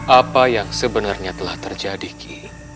apa yang sebenarnya telah terjadi ki